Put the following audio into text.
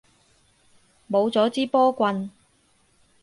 冇咗支波棍